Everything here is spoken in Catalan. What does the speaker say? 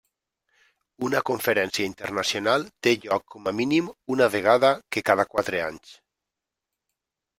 Una conferència internacional té lloc com a mínim una vegada que cada quatre anys.